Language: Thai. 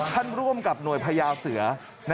ร่วมกับหน่วยพญาเสือ